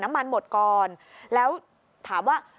น้ำมันหมดก่อนแล้วถามว่า